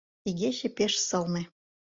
Игече пеш сылне.